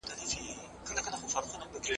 زه سپينکۍ نه پرېولم!؟